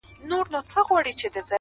اوس مي د كلي ماسومان ځوروي ـ